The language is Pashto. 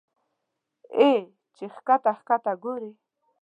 اې چې ښکته ښکته ګورې